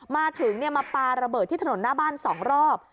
มาถึงมาปลาระเบิดที่ถนนหน้าบ้าน๒รอบ